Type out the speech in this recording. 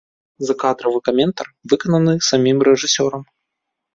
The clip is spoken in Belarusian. Закадравы каментар выкананы самім рэжысёрам.